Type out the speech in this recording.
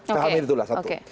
sekarang itu lah satu